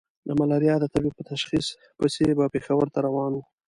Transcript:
د ملاريا د تبې په تشخيص پسې به پېښور ته روان وو.